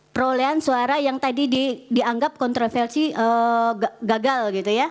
perolehan suara yang tadi dianggap kontroversi gagal